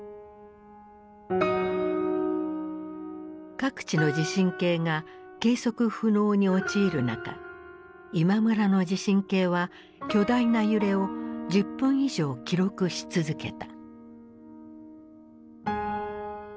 各地の地震計が計測不能に陥る中今村の地震計は巨大な揺れを１０分以上記録し続けた。